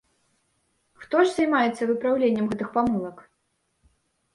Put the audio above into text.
Хто ж займаецца выпраўленнем гэтых памылак?